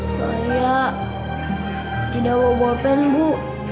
saya tidak bawa bawa pen bu